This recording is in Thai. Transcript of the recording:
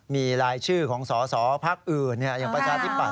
มีรายชื่อของสอสอภักดิ์อื่นอย่างประชาชนที่ป่าน